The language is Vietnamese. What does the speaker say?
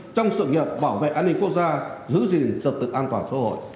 trong sự nghiệp bảo vệ an ninh quốc gia giữ gìn trật tự an toàn xã hội